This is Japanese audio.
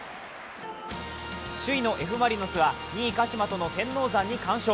首位のＦ・マリノスは２位・鹿島との天王山に完勝。